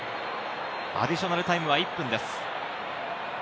アディショナルタイムは１分です。